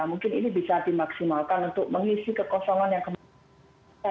mungkin ini bisa dimaksimalkan untuk mengisi kekosongan yang kemudian